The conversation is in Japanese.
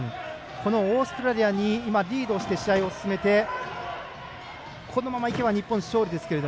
オーストラリアにリードして試合を進めてこのままいけば日本勝利。